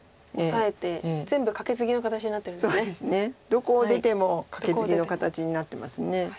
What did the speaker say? どこを出てもカケツギの形になってます。